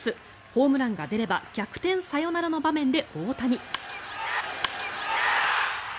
ホームランが出れば逆転サヨナラの場面で大谷。